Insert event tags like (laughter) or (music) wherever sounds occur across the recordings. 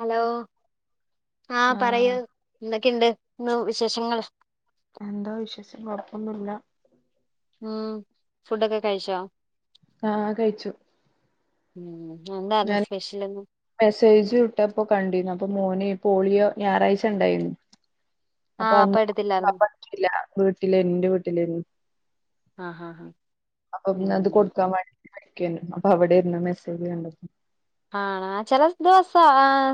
Hello ആഹ് പറയൂ എന്തൊക്കെണ്ട് ഇന്ന് വിശേഷങ്ങൾ എന്താ വിശേഷം കുഴപ്പൊന്നുല്ല ഉം ഫുഡൊക്കെ കഴിച്ചോ? ആഹ് കഴിച്ചു. ഉം എന്തായിരുന്നു ഞാന് സ്പെഷ്യല്? മെസ്സേജ് വിട്ടപ്പോ കണ്ടിരന്നു. അപ്പൊ മോന് പോളിയോ ഞായറാഴ്ച ഉണ്ടായിരുന്നു അപ്പൊ ആഹ് അന്ന് അപ്പം എടുത്തില്ലായിരുന്നു പറ്റില്ല വീട്ടില് ന്റെ വീട്ടിലെരുന്നു ആഹ് ഹാഹ് അപ്പൊ പിന്നെ അത് കൊടുക്കാൻ വാണ്ടി പൊയ്ക്കേനി. അപ്പൊ അവിടെയിരുന്ന മെസ്സേജ് കണ്ടത് ആഹ് ചില ദിവസ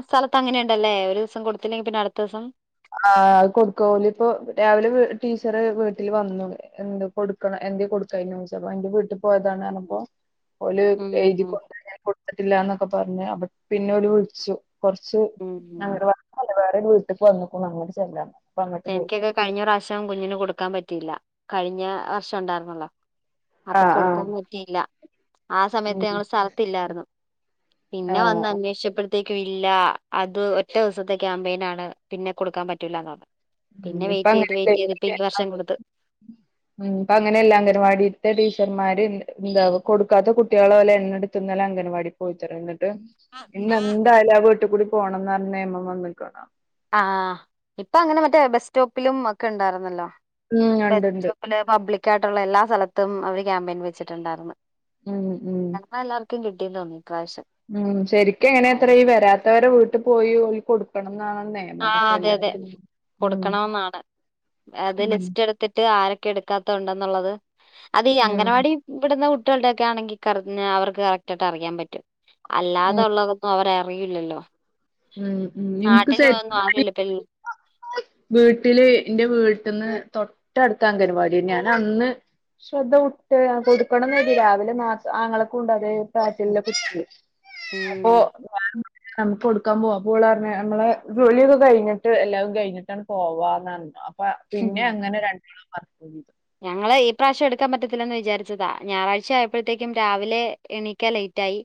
സ്ഥലത്ത് അങ്ങനെണ്ടല്ലേ ഒരു ദിവസം കൊടുത്തില്ലെങ്കിൽ പിന്നെ അടുത്ത ദിവസം ആഹ് അത് കൊടുക്ക ഓല് ഇപ്പൊ രാവിലെ ടീച്ചറ് വീട്ടിൽ വന്നു എന്ത് കൊടുക്കണം എന്തെ കൊടുക്കായിനു ചോദിച്ചു. അപ്പോ എന്റെ വീട്ടിൽ പോയതാണ് പറഞ്ഞപ്പോ ഓല് ഉം ഉം എഴുതിക്കൊട്ത്തി ഞാൻ കൊടുത്തിട്ടില്ലന്നൊക്കെ പറഞ്ഞ്. അപ്പൊ പിന്നെ ഓൽ വിളിച്ചു കൊറച്ച് ഉം ഉം അങ്ങട് വേറെ ഒരു വീട്ട്ക്ക് വന്ന്ക്ണു അങ്ങട്ട് ചെല്ലാൻ. അങ്ങട്ട് പോയി എനിക്കൊക്കെ കഴിഞ്ഞ പ്രാവശ്യം കുഞ്ഞിന് കൊടുക്കാൻ പറ്റില്ല. കഴിഞ്ഞ വർഷം ഉണ്ടായിരുന്നല്ലോ അപ്പൊ ആഹ് ആഹ് കൊടുക്കാൻ പറ്റിയില്ല ആ സമയത്ത് ഉം ഞങ്ങള് സ്ഥലത്തില്ലായിരുന്നു. പിന്നെ വന്ന് ആഹ് അന്വേഷിച്ചപ്പോൾ ത്തേകും ഇല്ല. അത് ഒറ്റ ദിവസത്തെ ക്യാമ്പയിൻ ആണ് പിന്നെ കൊടുക്കാൻ പറ്റൂല്ല എന്ന് പറഞ്ഞു ഉം പിന്നെ ഇപ്പ വെയിറ്റ് ചെയ്ത് അങ്ങനെല്ലേ വെയിറ്റ് ചെയ്ത് ഇപ്പൊ ഈ വർഷം കൊടുത്ത് ഉം ഇപ്പ അങ്ങനെയല്ലാ. അംഗൻവാടീത്തെ ടീച്ചർമാര് എന്താ കൊടുക്കാത്ത കുട്ടികളെ ഓലെ എണ്ണട് ത്ത് ന്നലെ അംഗൻവാടി പോയിത്തരാം എന്നിട്ട്. ഇന്ന് എന്തായാലും ആ വീട്ട് കൂടി പോണംന്ന് പറഞ്ഞി നിയമം വന്ന്ക്കണ് ആഹ് ആഹ് ഇപ്പ അങ്ങനെ മറ്റേ ബസ് സ്റ്റോപ്പിലും ഒക്കെ ഉണ്ടായിരുന്നല്ലോ ഉം ഇണ്ട് ഇണ്ട് ബസ്റ്റോപ്പില് പബ്ലിക്കായിയിട്ടുള്ള എല്ലാ സ്ഥലത്തും അവര് ക്യാമ്പയിൻ വെച്ചിട്ടുണ്ടായിരുന്നു. ഉം ഉം അന്ന് എല്ലാർക്കും കിട്ടീ തോന്നി ഇ പ്രാവശ്യം ഉം ശരിക്ക് എങ്ങനെത്ര ഈ വരാത്തവരെ വീട്ടിൽ പോയി ഓൽ കൊടുക്കണം ന്നാണ് നിയമം ആഹ് പക്ഷെ അതെ അതെ എല്ലാരും ഉം ഉം കൊടുക്കണോന്നാണ് അത് ലിസ്റ്റ് ഉം എടുത്തിട്ട് ട്ട് ആരൊക്കെ എടുക്കാത്തതുണ്ടെന്നുള്ളത്. അത് ഈ അംഗനവാടി ഇവിടുന്ന കുട്ടികളുടെ തൊക്കെ ആണെങ്കിൽ പർഞ്ഞ അവർക്ക് കറക്റ്റ് ആയിട്ട് അറിയാൻ പറ്റും. ഉം അല്ലാതുള്ളതൊന്നും അവര് അറിയില്ലല്ലോ ഉം ഉം ഇൻക്ക് ശരി ആരുല്ല (unintelligible) (inaudible) വീട്ടില് ന്റെ വീട്ടിന്ന് തൊട്ടടുത്താ അംഗൻവാടി എന്നാണ് ഞാൻ അന്ന് ശ്രദ്ധ വിട്ട് പോയി കൊടുക്കണന്നില്ല അതില് നാ ആങ്ങളക്കൂണ്ട് അതെ പ്രായത്തിൽ ഉള്ള കുട്ടി അപ്പൊ വ കൊടുക്ക ക്കാ പോവാ അപ്പൊ ഓള് പറ്ഞ്ഞ് നമ്മള ജോലിയൊക്കെ കഴിഞ്ഞിട്ട് എല്ലതും കഴിഞ്ഞിട്ടാണ്ട് പോവാന്ന് പറഞ്ഞ പ ഉം പിന്നെ അങ്ങനെ രണ്ടോളും മറ ഞങ്ങള് ഈ പ്രാവശ്യം എടുക്കാൻ പറ്റത്തില്ലന്ന് വിചാരിച്ചതാ ഞായറാഴ്ച ആയപ്പോഴത്തേക്കും രാവിലെ എണീക്കാൻ ലേറ്റ് ആയി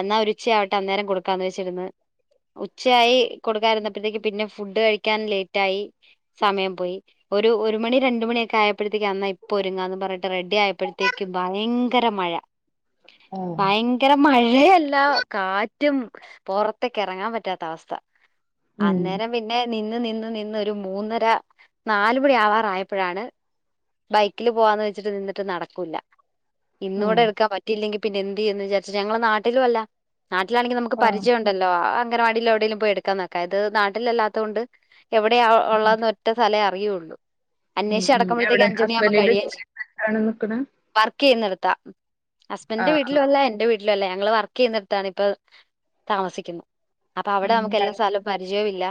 അന്നാ ഒരു ഉച്ചയാവട്ടെ അന്നേരം കൊടുക്കാന്ന് വെച്ചിരുന്ന് ഉച്ചയായി കൊടുക്കാൻ ഇര്ന്നപ്പോഴത്തേക്ക് പിന്നെ ഫുഡ് കഴിക്കാൻ ലേറ്റ് ആയി സമയം പോയി ഒരു ഒരു മണി രണ്ട് മണിയൊക്കെ ആയപ്പോ ഇപ്പോഴത്തേക്ക് അന്ന ഇപ്പൊ ഒരുങ്ങ എന്ന് പറഞ്ഞിട്ട് റെഡി ആയപ്പോഴത്തേക്ക് ഭയങ്കര മഴ ആഹ് ഭയ ങ്കര മഴയല്ല കാറ്റും പുറത്തേക് ഇറങ്ങാൻ പറ്റാത്ത അവസ്ഥ ഉം അന്നേരം പിന്നെ നിന്ന് നിന്ന് നിന്ന് ഒരു മൂന്നര നാലു മണി ആവാറായപ്പോഴാണ് ബൈക്കിൽ പോവാന്ന് വെച്ചിട്ട് നിന്നിട്ട് നടക്കൂല്ല ഉം ഇന്നൂടെ എടുക്കാൻ പ റ്റില്ലെങ്കിൽ പിന്നെ എന്ത് യെന്ന്ന്ന് ചാച്ച ഞങ്ങള നാട്ടിലുംല്ല നാട്ടിലാെങ്കിൽ നമുക്ക് ആഹ് പരിചയം ഉണ്ടല്ലോ അംഗനവാടിയില എടെയങ്കലും പോയി എടുക്കാൻ നക്ക അ ഇത് നാട്ടില അല്ലാത്തത്ണ്ട് എവിടെയാ ഉം ഉള്ളതന്ന് ഒറ്റ സ്ഥലേ അറിയുള്ളൂ ഉം അന്വേഷിച്ചട ഉം എവിടെ ഹസ്ബൻഡറിന്റെ (unintelligible) നിക്കണ വർക്ക് ചെയ്യുന്നെടുത്ത ഹസ്ബൻഡന്റെ ആഹ് വീട്ടിൽ ആഹ് വല്ല എന്റെ വീട്ട ല്ല ല്ല ഞങ്ങ വർക്ക് ചെയ്യെടുത്താണ് ഇപ്പ താമസിക്കുന്നു അപ്പ അവിടെ നമുക്ക് എല്ലാ സ്ഥലം പരിചെയു ഇല്ല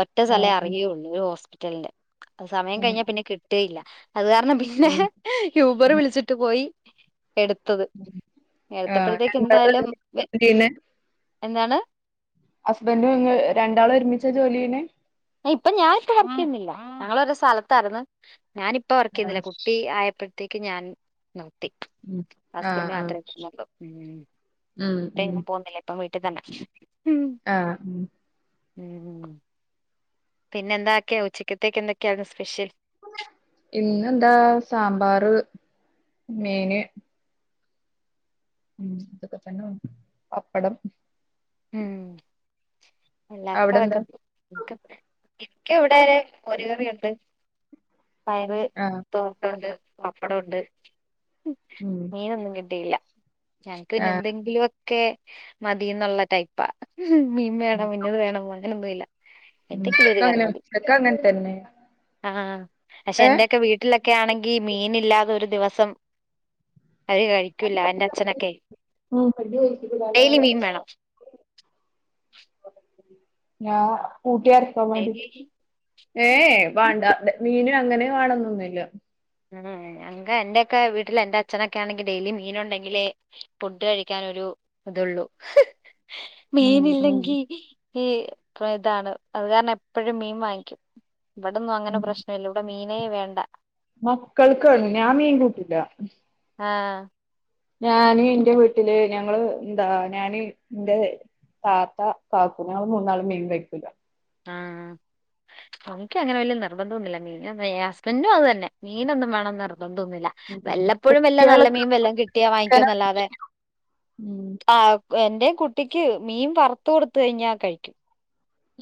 ഒറ്റ സ്ഥലവേ ആഹ് അറിയയുള്ളൂ ഒരു ഹോസ്പിറ്റലിന്റെ അത് സമയം ഉം ഉം കഴിഞ്ഞാ പിന്നെ കി ല്ല അത് കാരണം പിന്നെ ഉം യൂബർ വിളിച്ചിട്ട് പോയി എടു ത്തത് ആഹ് എടുത്തപ്പോഴത്തേക്ക് രണ്ടാളും എന്തായാലും ഒരുമിച്ചാ ജോലി ചെയ്യണെ? എന്താണ് ഹസ്ബൻഡും ഇങ് രണ്ടാളും ഒരുമിച്ച ജോലീയ്യ്ന്നെ ഇപ്പൊ ഞാനിപ്പൊ വർക്ക്‌യുന്നില്ല ഞങ്ങളൊരു സ്ഥലത്തായിന്ന് ഞാനി ഇപ്പ വർക്ക് ആഹ് ചെയ്യുന്നില്ല കുട്ടി ആയപ്പോഴത്തേക്ക് ഞാൻ നിർത്തി ഉം ആഹ് ഹസ്ബൻറ്റ് ആഹ് മാത്രേപോവുന്നുള്ളു ഉം ഉം ഇപ്പേ ഉം ഞാൻപോവുന്നില്ല ഇപ്പ വീട്ടി തന്നെ മം ആഹ് ഉം ഉം പിന്നെ എന്തൊക്കെയോ ഉച്ചിക്കത്തേക്ക് എന്തൊക്കെയാ സ്പെഷ്യൽ ഇന്ന് എന്താ സാമ്പാർ മീന് ഉം അതക്ക തന്നെ പപ്പടം ഉം എല്ലർക്കും അവിടെന്താ? അതൊക്ക ഇക് ഇക് ഇവിടെ മോര് കറിയുണ്ട് പയർ ആഹ് തോട്ടുണ്ട് പപ്പടംണ്ട് ഉം മീനൊന്നും കിട്ടില്ല ഞക്ക് ആഹ് പിന്നെന്തെങ്കിലും ഒക്കെ മതിന്നുള്ള ടൈപ്പാ ഉം മീനും ഉം ഇന്നത് വേണം അങ്ങനൊന്നും ഇല്ല എന്തൊക്കിലും ഒരു ഇവടക്കങ്ങനെ കറിമതി ഉച്ചക്കങ്ങൻ തന്നെ ആഹ് പക്ഷെ ഏഹ്? എന്റെക്കെ വീ ട്ടിലൊക്കെ ആണെങ്കിൽ മീനില്ലാതെ ഒരു ദിവസം അരി കഴി ക്കില്ല എന്റെ അച്ഛനൊക്കെ ഡെയിലി മീൻ വേണം ഞാൻ കൂട്ടിയാർക്കാൻ ഡെയിലി വേണ്ടിട്ട് ഏയ് വേണ്ട മീനും അങ്ങനെ വേണന്നൊന്നുല്ല ഉം ഞങ്ങ എന്റെയൊക്കെ വീട്ടില് എറെ അച്ഛനൊക്കെ ആണെങ്കി ഡെയ്ലി മീൻ ഉണ്ടെങ്കിലെ ഫുഡ് കഴിക്കാനൊരു ഇതള്ളൂ ഉം ഉം മീന്ല്ലെങ്കി ഈ ഇതാണ് അത് കാരണം എപ്പോഴും മീൻ വാങ്ങിക്കും ഇവിടന്നും അങ്ങനെ ഉം പ്രശ്നല്ലോ ഇവിടെ മീനേ വേണ്ട മക്കൾക്കാണ് ഞാൻ മീൻ കുട്ടൂല ആഹ് ഞാന് ഇന്റെ വീട്ടില് ഞങ്ങള് എന്താ ഞാന് ഇന്റെ താത്ത കാക്കു ഞങ്ങൾ മൂന്നാളും മീൻ കഴിക്കൂലാ ആഹ് നമുക്ക് അങ്ങനെ വലിയ നിർബന്ധംന്നുമില്ല മീന ഹസ്ബന്റും അത് തന്നെ മീനൊന്നും വേണംന്ന് നിർബന്ധംന്നുല്ല ഉം. വെല്ലപ്പോഴും വെല്ലം നല്ല കുട്ടികൾക്ക് മീൻ വെല്ലം കിട്ടിയാ ചിക്കന് വാങ്ങിക്കോന്നല്ലാതെ ഉം ആഹ് എന്റെ കുട്ടിക്ക് മീൻ വറുത്ത് കൊടുത്ത കഴിഞ്ഞാ കഴിക്കും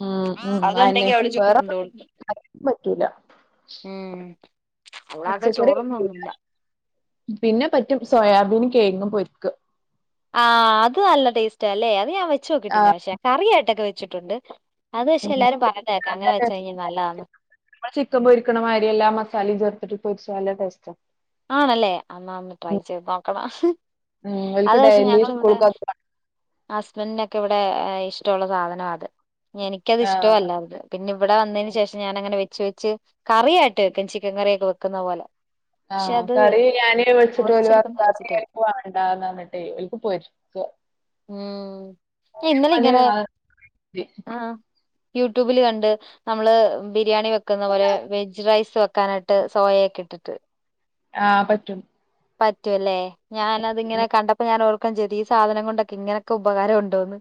ഉം ഉം അയന്നെ അത്ണ്ടെങ്കി അവിടെ ചോറ് വേറെ ഉണ്ടോളും കറിയൊന്നും പറ്റൂല ഉം അവളാതെ പച്ചക്കറി ചോറൊന്നും പറ്റൂല ഒന്നുല്ല പിന്നെ പറ്റും സോയാബീൻ കേങ്ങും പൊര്ക്ക ആഹ് അത് നല്ല ടേസ്റ്റാ അല്ലെ അത് ഞാൻ വെച്ച് ആ, ക്കിട്ടില്ല പക്ഷെ കറിയായിട്ടൊക്കെ വെച്ചിട്ടുണ്ട് അത് പക്ഷെ ഉം. എല്ലാരും പറഞ്ഞതേക്കാം അങ്ങെ വെച്ച കഴിഞ്ഞഞ് നല്ലതാണ് നമ്മ ചിക്കൻ പൊരിക്കണമാതിരി എല്ലാ മസാലയും ചേർത്തിട്ട് പൊരിച്ചാ നല്ല ടേസ്റ്റ ആണല്ലേ അമ്മ അമ്മ ട്രൈ ചെയ്ത് നോക്കണം ഉം ഓൽക്ക് അത്ക്ഷെ ഡെയിലി ഞങ്ങള ഇവിടെ സ്കൂൾക്ക് അത് വാണം ഹസ്ബന്റിനൊക്കെ ഇവിടെ ഇഷ്ടള്ള സാധനം അത് എനിക്കത് ആഹ് ഇഷ്ടല്ല അത് പിന്നെ ഇവിടെ വന്നതിന് ശേഷം ഞാൻ അങ്ങനെ വെച്ച് വെച്ച് കറി ആയിട്ട് വെക്കും ചിക്കൻ കറിയൊക്കെ വെക്കുന്ന പോലെ പക്ഷെ ആഹ് അത് കറി ഞാന് വെച്ച്ട്ട് ഓല് മുറിച്ചെടുക്കുന്ന വെച്ചിട്ട് ഭർത്താവ് വണ്ടാന്ന്റഞ്ഞിട്ടേ ഓൽക്ക് പൊര് (unintelligible) ഉം ഇന്നലെ ഓന് ഇങ്ങനെ അത് മതി. യൂട്യൂബിൽ കണ്ട് നമ്മള് ബിരിയാണി വെക്കുന്ന പോലെ വെജ് റൈസ് വെക്കാനായിട്ട് ട്ട് സോയക്കെ ഇട്ടിട്ട് ആഹ് പറ്റും പറ്റുവല്ലേ ഞാന ഉം തിങ്ങനെ കണ്ടപ്പോ ഞാനോർ ഈ സാധനം കൊണ്ടൊക്കെങ്ങനൊക്കെ ഉപകാരം ഉണ്ടോ എന്ന്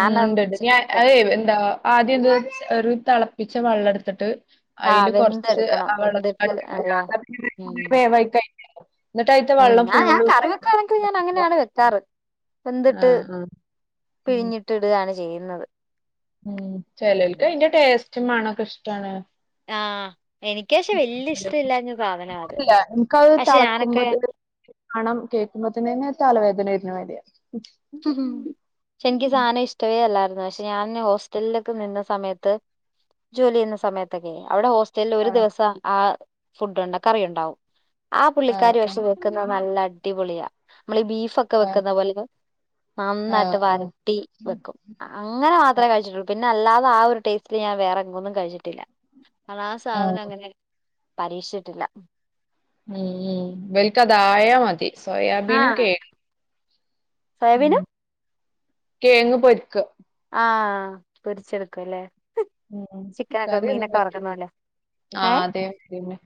ഉ ഉണ്ട് ഉണ്ട് ഞാൻ അത എന്താ ആദ്യം എന്ത ഒരു തിളപ്പിച്ച വെള്ളം ടുത്തിട്ട് ആഹ് അയ്ല് കുറച്ച് വെന്തെടുക്കണം വെള്ളത് വെന്തിട്ട് അല്ലേ ഉം വേവായി കയിഞ്ഞ ഉം ഞാ കറി കണക്കിൽ ഞാൻ ഊറ്റിയെടുത്തിട്ട് അങ്ങനെയാണ് വെക്കാറ് വെന്തിട്ട് ആഹ് ആഹ് പിഴിഞ്ഞിട്ട് ഇടാണ് ചെയ്യുന്നത് ചേലോൽക്ക് അയ്ന്റെ ടേസ്റ്റും മ ണൊക്കെ ഇഷ്ടാണ് ആഹ് എനിക്ക് പക്ഷെ വല്യ ഇഷ്ടമില്ലാഞ്ഞ സാധനാ അത് ഇല്ല ന്ക് അത് പക്ഷെ തളക്കുമ്പോ ഞാനൊക്കെ മണം കേൾക്കുമ്പോത്തന്ന തന്നെ തലവേദന വെരുന്ന മാരിയാ ഉം ക്ഷെ എനിക്ക് സാധനം ഇഷ്ടവേ അല്ലായിരുന്നു പക്ഷെ ഞാൻ ഹോസ്റ്റലിലൊക്കെ നിന്ന സമയത്ത് ജോലി യ്യന്ന സമയത്തൊക്കെ അവിടെ ഹോസ് ല്ല് ഒരു ആഹ് ദിവസം ആ ഫുഡ്ണ്ട് ആ കറി ഉണ്ടാവും ആ ആഹ് പുള്ളിക്കാരി ക്ഷേ വെക്കുന്നത് ആഹ് നല്ല അടിപൊളിയാ നമ്മൾ ഈ ബീഫൊക്കെ വെക്കുന്ന പോലെ നന്നായിട്ട് ആഹ് ആഹ് ആഹ് ആഹ് വരട്ടി ഉം വെക്കും അങ്ങനെ മാത്രേ കഴിച്ചിട്ടുള്ളൂ പിന്ന അല്ലാതെ ആ ഒരു ടേസ്റ്റില് ഞാൻ വേറെങ്ങൊന്നും കഴിച്ചിട്ടില്ല ആ ആ സാധനം അങ്ങനെ പരീക്ഷിച്ചിട്ടില്ല ഉം ഉം വൽക്ക് അത ആയ മതി സോയാബീനും കേ സോയബീനും കേങ്ങ് പൊര്ക്ക ആഹ് പിരിച്ചെടുക്കുംല്ലേ ഉം കറി ഒന്നും പറ്റൂല പോലെ ആ ഏ അതെ പിന്നെ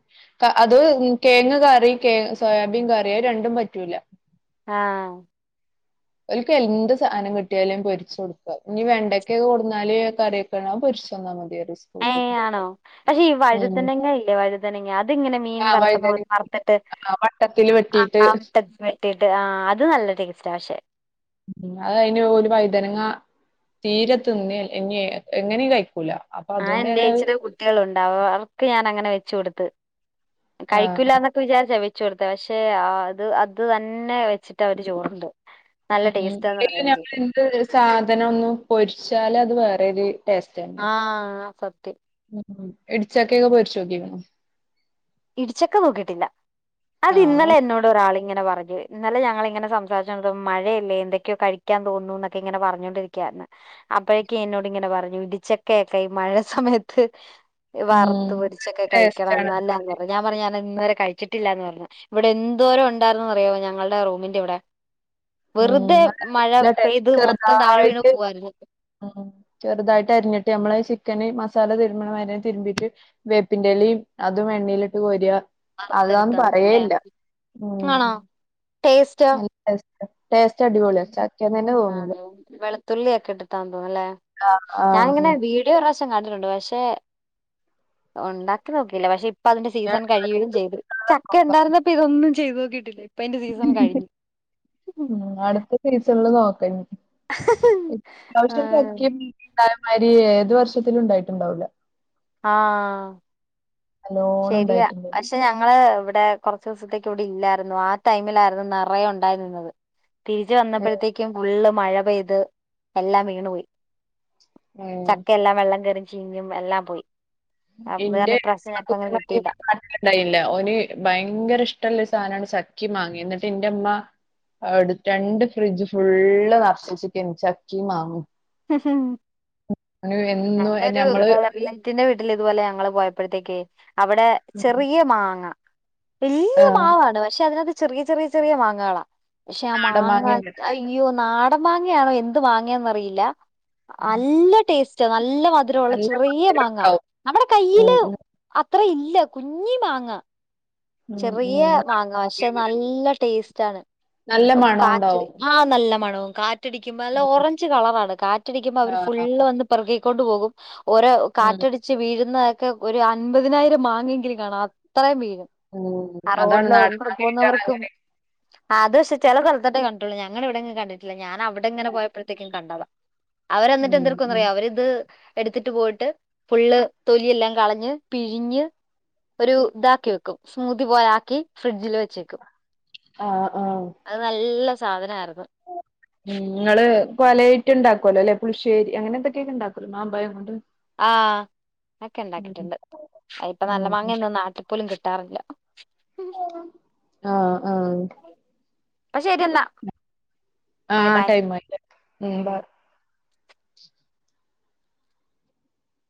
ക അത് കെയങ് കറി കെ സോയാബീൻ കറി അഹ് രണ്ടും പറ്റൂല ആഹ് ഒൽക്ക് എന്ത് സാധനം കിട്ടിയാലും പൊരിച്ച് കൊടുക്ക, ഇനി വെണ്ടക്ക്‌യൊക്കെ കൊട്ന്നാല് കറി ക്ക്‌ണോ അത് പൊര്ച്ചന്ന മതി അറി സ് ഏ ആണോ പക്ഷെ ഈ വഴുനങ്ങ ഇല്ലേ വഴുതനെങ്ങാ അത് ഇങ്ങനെ മീൻ ആ വറക്കന്ന് പോലെ വഴുതനങ്ങ വറത്തിട്ട് ആ വട്ടത്തിൽ വെട്ടിയിട്ട് ആഹ് വട്ടത്തി വെട്ടിട്ട് ആ അത് നല്ല ടേസ്റ്റാ പക്ഷെ ഉം അത് അയ്ന് ഓല് വൈതനങ്ങ തീരെ തിന്നെല്ല ഇഞ്ഞി എങ്ങനിം കയ്ക്കൂല ആ എൻന്റെചിടെ കുട്ടിയാളുണ്ടാവു. അവർക്ക് ഞാനങ്ങനെ വെച്ച് കൊടുത്ത്. ആ ആ കഴിക്കൂലാന്നൊക് ക്കെ വിചാരിച്ച വെച്ചു കൊടുത്ത പക്ഷെ അത് അത് തന്നെ വെച്ചിട്ട് അവര് ചോറ് ണ്ട് ഉം അല്ലേലും നമ്മള് എന്ത്‌ സാധനം ഒന്ന് പൊരിച്ചാലത് വേറെരു ടേസ്റ്റ്ണ് ആഹ് സത്യം ഇടിച്ചക്കയൊക്കെ പൊരിച്ചോക്കിണോ ഇടിച്ചക്കെ നോക്കിയിട്ടില്ല, അത് ആഹ് ഇന്നലെ എന്നോട് ഒരാളി ഇങ്ങനെ പറഞ്ഞു ഇ. ന്നലെ ഞങ്ങളിങ്ങനെ സംസാരിച്ചു കൊണ്ടി മഴയല്ലേ എന്തൊക്കെയോ കഴിക്കാൻ തോന്നൂ ന്നൊക്കെ ഇങ്ങനെ പറഞ്ഞോണ്ടിരിക്കായിരുന്നു അപ്പോഴേക്കെ എന്നോടിങ്ങനെ പറഞ്ഞു ഇടിച്ചക്കെയൊക്കെ ഈ മഴ സമയത്ത് ഉം വറുത്ത് പൊരിച്ചൊക്കെ ടേസ്റ്റ് കഴിക്കണം ആണ് ന്നല്ലാന്ന് പറഞ്, ഞാൻ പറഞ്ഞ് ഞാ അത് ഇന്ന് വരെ കഴിച്ചിട്ടില്ലാന്ന് പറഞ്ഞു ഇവിടെ എന്തോരം ഉണ്ടായിരുന്നു ന്നറിയാമോ ഞങ്ങൾടെ റൂമിന്റെ ഇവിടെ വെറുതെ ഉം അത് മഴ നല്ല ടേസ്റ്റ് പെയ്ത് മൊത്തം താഴെ വീണ് ചെറുതായിട്ട് പോവായിരുന്നു ഉം ഉം ചെറുതായിട്ട് അരിഞ്ഞിട്ട് നമ്മള ചിക്കന് മസാല തിരുമ്പണ മായിരി തിരുമ്പീട്ട് വേപ്പിന്റെലിം അതും എണ്ണീ ലിട്ട് കോര്യ അതാന്ന് വറുത്തെടുത്താ മതി അല്ലേ പറയേല്ല ഉം ആണോ ടേസ്റ്റോ ടെസ്റ്റ്‌ ടേസ്റ്റ് അടിപൊളിയാചാ ആഹ് ലെ വെളത്തുള്ളി ഒക്കെ ഇട്ട്ട്ടാൺ തോന്ന്ണു ല്ലേ ആഹ് ആഹ് ഞാങ്ങനെ ഉം വീ ട്ടീ ഒരു പ്രാവശ്യം കണ്ടിട്ടുണ്ട് പഷെ ഒണ്ടാക്കി നോക്കില്ല പഷെ ഇപ് ഇപ്പ അതിന്റെ സീസൺ കഴിയലും ചെയ്ത് അടുത്ത സീസണില് ചക്ക നോക്കാം. ണ്ടാർന്നപ്പ ഇതൊന്നും ചെയ്തോക്കീട്ടില്ല ഇപ്പതിന്റെ സീസൺ കഴ്ഞ് ഉം അടുത്ത സീസൺ ല് നോക്കഞ് എത്യാവശ്യം ആഹ് ചക്കെന്ന് ണ്ടായമായ്രി ഏതു വർഷത്തിലുണ്ടായിട്ടുണ്ടാവൂല ആഹ് നല്ലോണം ശരിയാ ഉണ്ടായിട്ടുണ്ട് അഷ് ഷെ ഞങ്ങള് ഇവടെ കൊറ്ച്ചീസത്തേക്ക് ഇവിടെ ഇല്ലായിരുന്നു ആ ടൈമിലായിരുന്നു നെറയെ ഉണ്ടായിരുന്നത് തിരിച്ച് ഉം വന്നപ്പഴത്തേക്കും ഫുള്ള് മഴ പെയ്ത് എല്ലാം വീണു പോയി ഉം ചക്കയെല്ലാം വെള്ളം കേറി ചീഞ്ഞും എല്ലാം പോയി. അപ്പ് വേം ഇപ്പ്രാശ്യത്തിന് (unintelligible) (inaudible) ണ്ടായില്ല ഓന് ഭയങ്കര ഇഷ്ടള്ള ര് സാനാണ് ചക്കിം മാങ്ങിം ന്നട്ട് ന്റെ മ്മ അവ്ട് രണ്ട് ഫ്രിഡ്ജ് ഫുള്ള് നർചച്ചക്കേനി ചക്കിം മാങ്ങിം അങ്ങനെ എന്നും ഏ ഞമ്മള് റ്റിന്റെ വീട്ടില് ഇതുപോലെ ഞങ്ങള് പോയപ്പോഴത്തേക്കേയ് അവിടെ ഉം. ചെറിയ മാങ്ങ വല്യ ആഹ് മാവാണ്. പക്ഷെ അതിനഹത്ത് ചെറിയ ചെറിയ ചെറിയ മാങ്ങാളാ പക്ഷെ ആ നാടൻ മാങ്ങേക്കാരം. മാങ്ങഅയ് ഇയ്യോ നാടം മാങ്ങയാണോ എന്ത് മാങ്ങേന്നറിയില്ല ഉം. അല്ല ടേസ്റ്റ നല്ല മധുരവുള്ള നല്ല ചെറിയ മാങ്ങ മധുരണ്ടാവും. നമ്മടെ ഉം കയ്യില് ഉം. അത്ര ഇല്ല കുഞ്ഞി മാങ്ങ ഉം ചെറിയ ഉം. മാങ്ങ പഷെ നാടൻ നല്ല ടേസ്റ്റ് ആണ് നല്ല കാറ്റ് മണോണ്ടാവും. ആഹ് നല്ല മണവും കാറ്റടിക്കുമ്പോ നല്ല ഓറ ഉം. ഞ്ച് കളറാണ് കാറ്റടിക്ക്മ്പോ അവര് ആഹ്. ഫുള്ള് വന്ന് പെറ്ക്കി ക്കൊണ്ട് പോകും ഓരോ ഉം. കാറ്റടിച് ച്ച് വീഴുന്നഹക്കെ ഒരു അൻപതിനായിരം മാങ്ങെങ്കിലും കാണും അത്രയും വീഴും ഓഹോ ആഹ് റോഡില വന്ന് പോവുന്നവർക്കും ആഹ് അത് പക്ഷെ ചെല സ്ഥൽത്തൊക്കെ കണ്ട്ട്ടുള്ളൂ ഞങ്ങളെവിടെ എങ്ങും കണ്ടിട്ടില്ല ഞാനവിടെങ്ങനെ പോയപ്പഴത്തേക്കും കണ്ടതാ അവരെന്നിട്ട് ഉം ഉം. ന്തെടുക്കുന്നറിയോ അവരിത് എടുത്തിട്ട് പോയിട്ട് ഫുള്ള് തൊലിയെല്ലാം കളഞ്ഞ് പിഴിഞ്ഞ് ഒരു താക്കി വെക്കും സ്മൂതി പോലാക്കി ഫ്രിഡ്ജിൽ വെച്ചേക്കും ആഹ് ആഹ് അത് നല്ല സാധനാര്ന്നു ഉം ങ്ങള് പലേറ്റും ണ്ടാക്കല്ലോ ല്ലെ പുള്ശ്ശേരി അങ്ങനെ എന്തൊക്കെക്കെ ണ്ടാക്കല്ലോ മാമ്പയം കൊണ്ട് ആഹ് അക്കെ ഉം ണ്ടാക്കിട്ട്ണ്ട് അയിപ്പ നല്ല ഉം മാങ്ങയൊന്നും നാട്ടി പോലും കിട്ടാറില്ല ആഹ് ആഹ് പ്പ ശരി ന്നാ ആഹ് ടൈമായിട്ട് ഉം